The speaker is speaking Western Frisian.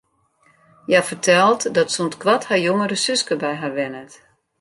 Hja fertelt dat sûnt koart har jongere suske by har wennet.